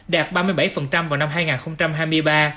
đạt ba mươi bảy vào năm hai nghìn hai mươi ba